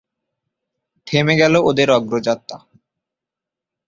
থেমে গেল ওদের অগ্রযাত্রা।